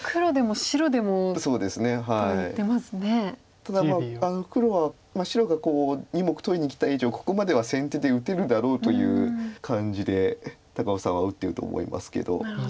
ただ黒は白が２目取りにきた以上ここまでは先手で打てるだろうという感じで高尾さんは打ってると思いますけど。